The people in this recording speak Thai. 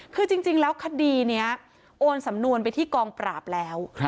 คือจริงแล้วคดีนี้โอนสำนวนไปที่กองปราบแล้ว